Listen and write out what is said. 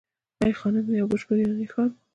ای خانم یو بشپړ یوناني ښار و